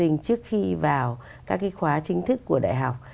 làm sao để giúp cho học sinh trước khi vào các cái khóa chính thức của đại học